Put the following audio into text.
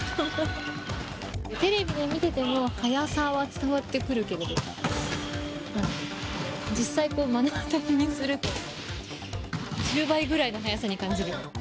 テレビを見ていても速さは伝わってくるけれど実際、目の当たりにすると１０倍ぐらいの速さに感じる。